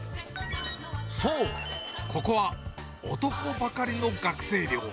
そう、ここは男ばかりの学生寮。